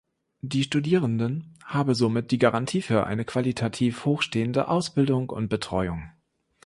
Die Studierenden habe somit die Garantie für eine qualitativ hoch stehende Ausbildung und Betreuung.